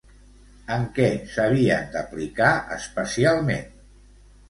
En què s'havien d'aplicar especialment?